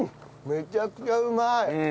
めちゃくちゃうまい！